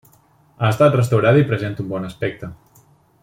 Ha estat restaurada i presenta un bon aspecte.